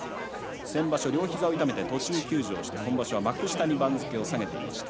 先場所、両膝を痛めて途中休場して今場所は幕下に番付を下げていました。